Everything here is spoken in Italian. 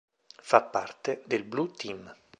Fa parte del Blue Team.